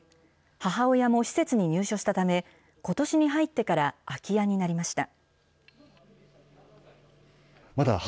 母親も施設に入所したため、ことしに入ってから空き家になりました。